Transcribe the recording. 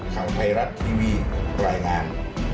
ข้างไทยรัตน์ทีวีปรายงาน